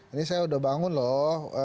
ini saya udah bangun loh